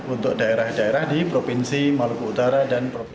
untuk daerah daerah di provinsi maluku utara dan provinsi